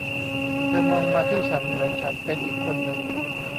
เธอมองมาที่ฉันเหมือนฉันเป็นอีกคนนึง